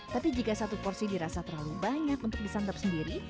tapi jika satu porsi dirasa terlalu banyak untuk disantap sendiri